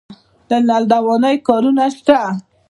د نل دوانۍ کارونه شته